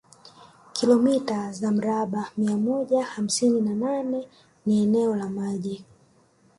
Kilomita za mraba mia moja hamsini na nane ni eneo la maji